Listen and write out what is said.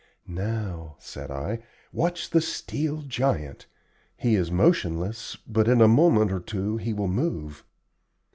"Now," said I, "watch the steel giant; he is motionless, but in a moment or two he will move."